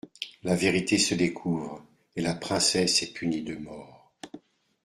La vérité se découvre, et la princesse est punie de mort.